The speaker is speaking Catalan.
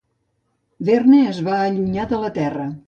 Verne es va allunyar de la terra.